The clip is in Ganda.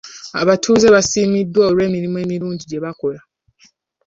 Abatuuze baasiimiddwa olw'emirimu emirungi gye bakola.